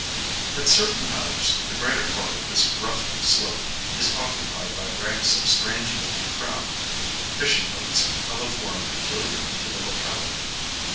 At certain hours the greater part of this rough slope is occupied by ranks of strange looking craft,—fishing boats of a form peculiar to the locality.